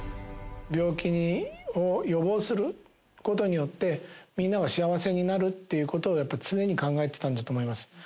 病気を予防することによって、みんなが幸せになるっていうことを、やっぱり常に考えてたんだと思います。